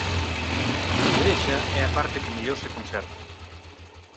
A igrexa é a parte que mellor se conserva.